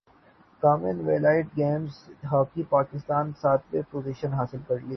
common wealth Games hockey Pakistan نے ساتویں position حاصل کر لی